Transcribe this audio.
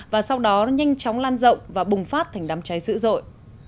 và sau đó nhanh chóng lan rộng và bùng phát thành đám cháy dữ dội